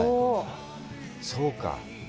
そうか。